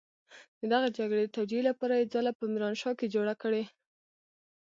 د دغې جګړې د توجيې لپاره يې ځاله په ميرانشاه کې جوړه کړې.